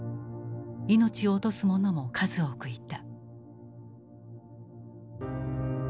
命を落とす者も数多くいた。